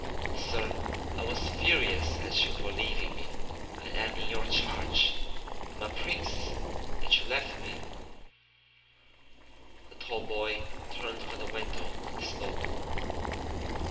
Sir, I was furious at you for leaving me. I am in your charge; I am a Prince; yet you left me " The tall boy turned from the window and spoke.